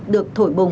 được thổi bùng